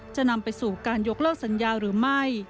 จะนำไปสู่การยกเลิกสัญญาหรือไม่